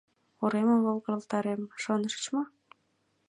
Уремым волгалтарем, шонышыч мо?